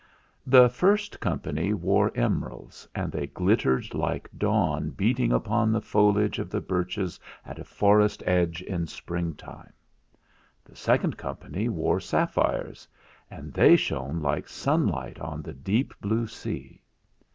The first company wore emeralds, and they glittered like dawn beating upon the foliage of the birches at a forest edge in Spring time. The second company wore sapphires, and they shone like sunlight on the deep blue sea.